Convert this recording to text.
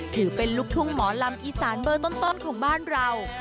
ถือเป็นลูกทุ่งหมอลำอีสานเบอร์ต้นของบ้านเรา